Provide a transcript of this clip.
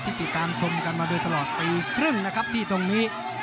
ติดตามชมกันมาโดยตลอดปีครึ่งนะครับที่ตรงนี้